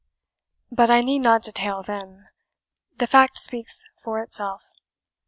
But I need not detail them the fact speaks for itself.